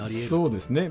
そうですね。